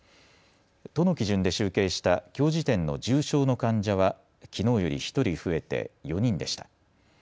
都の基準で集計したきょう時点の重症の患者はきのうより１人増えて４人でした。